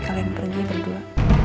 kalian pergian berdua